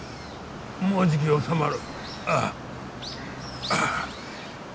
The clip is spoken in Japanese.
もうじき治まる。